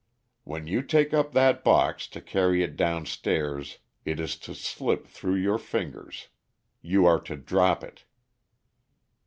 When you take up that box to carry it down stairs it is to slip through your fingers. You are to drop it."